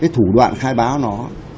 thủ đoạn khai báo nó